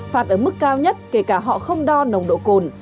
phạt ở mức cao nhất kể cả họ không đo nồng độ cồn